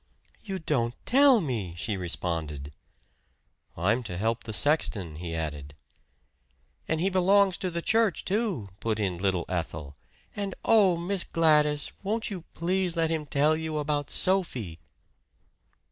"You don't tell me!" she responded. "I'm to help the sexton," he added. "And he belongs to the church, too," put in little Ethel. "And oh, Miss Gladys, won't you please let him tell you about Sophie!"